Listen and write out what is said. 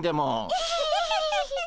アハハハ。